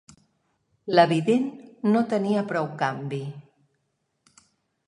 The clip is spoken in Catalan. La vident no tenia prou canvi.